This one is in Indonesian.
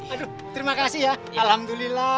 aduh terima kasih ya alhamdulillah